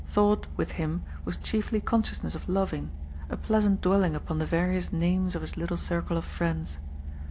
Thought, with him, was chiefly consciousness of loving, a pleasant dwelling upon the various names of his little circle of friends.